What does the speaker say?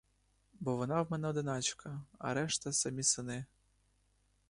Бо вона в мене одиначка, а решта самі сини.